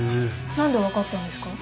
何で分かったんですか？